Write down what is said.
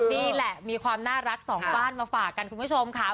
นี่แหละมีความน่ารักสองบ้านมาฝากกันคุณผู้ชมค่ะ